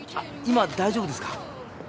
今大丈夫ですか？